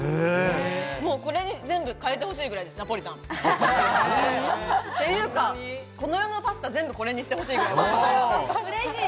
これに全部変えてほしいぐらいです、ナポリタン。っていうか、この世のナポリタン、これにしてほしいぐらい。